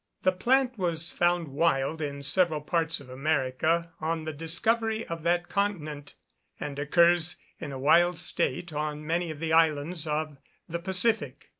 The plant was found wild in several parts of America on the discovery of that continent, and occurs in a wild state on many of the islands of the Pacific.